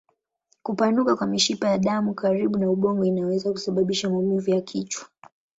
Kupanuka kwa mishipa ya damu karibu na ubongo inaweza kusababisha maumivu ya kichwa.